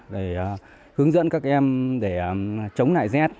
để hướng dẫn các em để chống lại rét